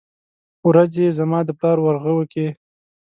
ورځې زما دپلار ورغوو کې